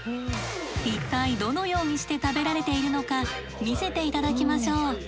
一体どのようにして食べられているのか見せて頂きましょう。